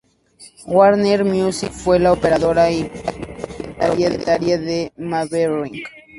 Warner Music Group fue la operadora y propietaria de Maverick.